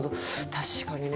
確かにね。